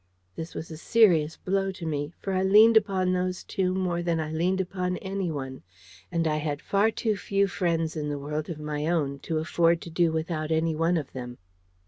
This was a serious blow to me, for I leaned upon those two more than I leaned upon anyone; and I had far too few friends in the world of my own, to afford to do without any one of them.